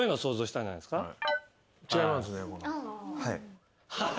はい。